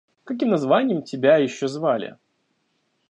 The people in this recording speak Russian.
Каким названьем тебя еще звали?